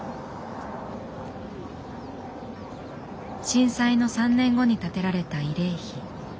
震災の３年後に建てられた慰霊碑。